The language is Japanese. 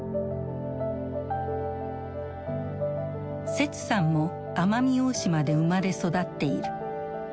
セツさんも奄美大島で生まれ育っている。